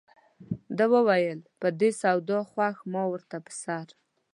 ده وویل په دې سودا خوښ ما ورته په سر.